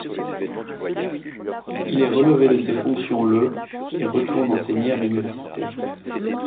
Il est relevé de ses fonctions le et retourne enseigner à l'université.